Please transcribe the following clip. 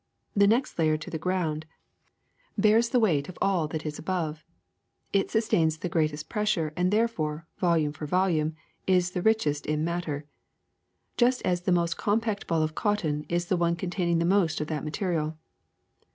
The layer next to the ground bears the weight of all THE ATMOSPHERE 323 that is above ; it sustains the greatest pressure and therefore, volume for volume, is the richest in matter, just as the most compact ball of cotton is the one con taining the most of that material.